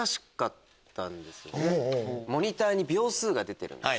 モニターに秒数が出てるんです。